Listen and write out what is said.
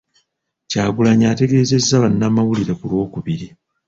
Kyagulanyi ategeezezza bannamawulire ku Lwokubiri.